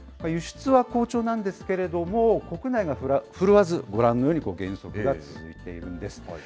輸出は好調なんですけれども、国内が振るわず、ご覧のように減速が続いているんです。